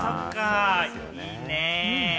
いいね。